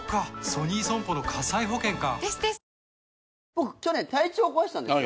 僕去年体調壊したんですよ。